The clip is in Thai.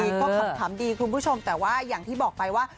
ก็ขำดีคุณผู้ชมแต่ว่าอย่างที่บอกไปว่า